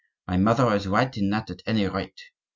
My mother is right in that, at any rate.